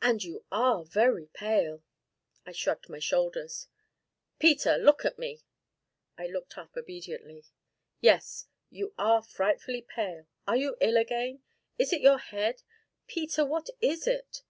"And you are very pale!" I shrugged my shoulders. "Peter look at me." I looked up obediently. "Yes, you are frightfully pale are you ill again is it your head; Peter what is it?"